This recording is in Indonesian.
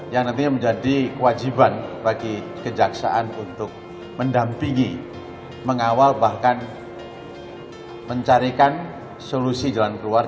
yang nantinya menjadi kewajiban bagi kejaksaan untuk mendampingi mengawal bahkan mencarikan solusi jalan keluar